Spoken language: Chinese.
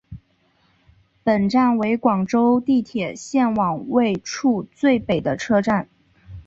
本站为广州地铁线网位处最北的车站。